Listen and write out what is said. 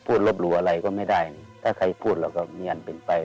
พูดรบรู้อะไรก็ไม่ได้ถ้าใครพูดเราก็เนียนเป็นไป